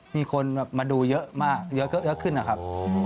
มีคนมาดูเยอะมากเยอะขึ้นครับ